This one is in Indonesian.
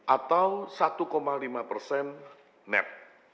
atau satu lima persen net